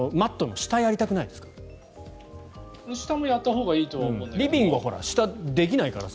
下もやったほうがいいとは思うんだけどリビングは下、できないからさ。